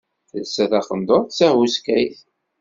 Telsa taqendurt d tahuskayt.